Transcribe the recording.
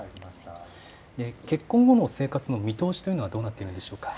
結婚後の生活の見通しというのはどうなっているんでしょうか。